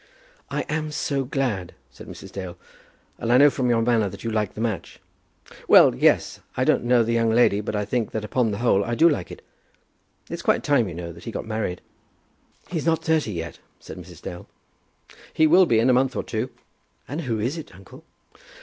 "I am so glad," said Mrs. Dale; "and I know from your manner that you like the match." "Well, yes. I don't know the young lady, but I think that upon the whole I do like it. It's quite time, you know, that he got married." "He's not thirty yet," said Mrs. Dale. "He will be, in a month or two." "And who is it, uncle?"